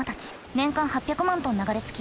年間８００万トン流れ着き